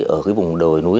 ở cái vùng đồi núi